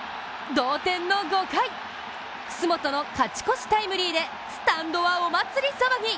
同点の５回、楠本の勝ち越しタイムリーでスタンドはお祭り騒ぎ。